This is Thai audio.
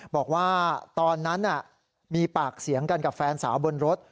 บอกว่าตอนนั้นมีปากเสียงกันกับแฟนสาวบนรถ